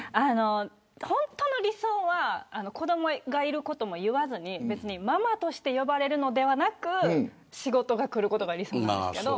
本当の理想は子どもがいることも言わずにママとして呼ばれるのではなく仕事がくることが理想なんですけど。